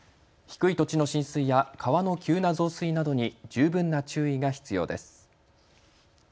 低い土地の浸水や川の急な増水などに十分な注意が必要です。